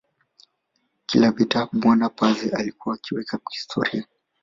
Kila vita bwana Pazi alikuwa akiweka historia